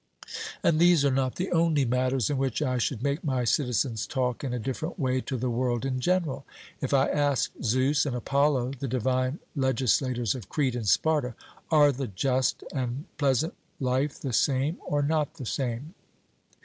And these are not the only matters in which I should make my citizens talk in a different way to the world in general. If I asked Zeus and Apollo, the divine legislators of Crete and Sparta, 'Are the just and pleasant life the same or not the same'?